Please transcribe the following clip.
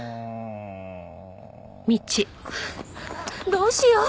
どうしよう。